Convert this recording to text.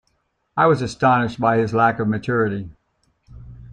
I was astonished by his lack of maturity